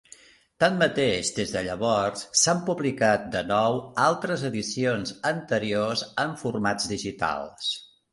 Tanmateix, des de llavors, s'han publicat de nou altres edicions anteriors en formats digitals.